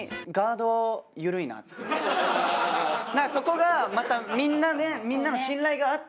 そこがまたみんなねみんなの信頼があって。